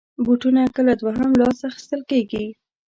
بوټونه کله دوهم لاس اخېستل کېږي.